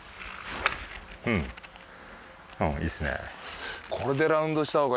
うんいいっすね。